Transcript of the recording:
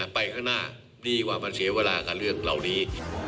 ไปข้างหน้าดีกว่ามันเสียเวลากับเรื่องเหล่านี้